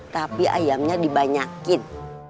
tapi ayamnya dibanyakin